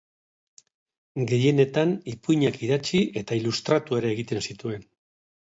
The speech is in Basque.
Gehienetan ipuinak idatzi eta ilustratu ere egiten zituen.